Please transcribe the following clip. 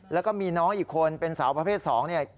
แล้วก็มีน้องอีกคนเป็นสาวประเภท๒เนี่ย